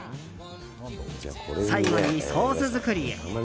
最後にソース作りへ。